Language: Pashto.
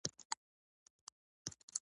موږ د فلسطیني مسلمانانو په درد دردمند کېږو.